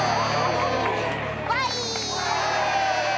ワイ！